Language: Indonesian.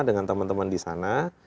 dengan teman teman di sana